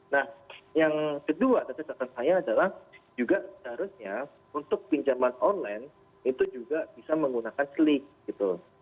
nah yang kedua tentu catatan saya adalah juga seharusnya untuk pinjaman online itu juga bisa menggunakan slik gitu